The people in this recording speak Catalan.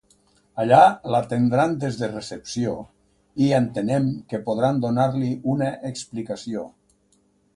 Allà l'atendran des de recepció i entenem que podran donar-li una explicació.